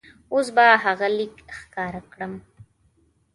اوس به هغه لیک ښکاره کړم.